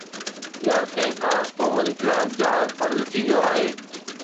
يا ڪنهن خاص قوم جي خلاف جهاد فرض ٿي ويو آهي